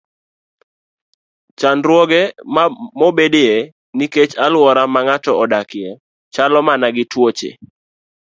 Chandruoge mabedoe nikech alwora ma ng'ato odakie chalo mana gi tuoche.